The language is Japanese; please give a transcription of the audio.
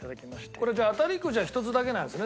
これじゃあ当たりくじは１つだけなんですね？